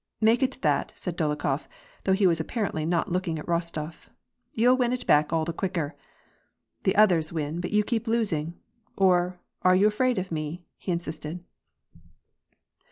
" Make it that " said Dolokhof, though he was apparently uot looking at Rostof .You'll win it back all the quicker. The others win but you keep losing. Or are you afraid of me ?" he insisted.